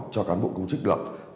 cho cán bộ công chức được